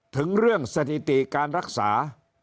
ถึงเรื่องสถิติการรักษา